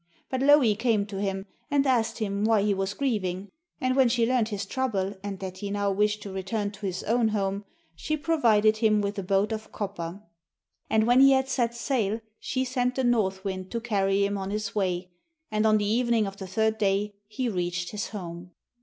But Louhi came to him and asked him why he was grieving, and when she learned his trouble, and that he now wished to return to his own home, she provided him with a boat of copper. And when he had set sail she sent the north wind to carry him on his way, and on the evening of the third day he reached his home.